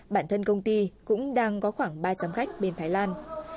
bản thân công ty cũng đang có khoảng ba trăm linh khách bên thái lan